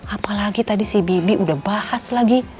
apalagi tadi si bibi udah bahas lagi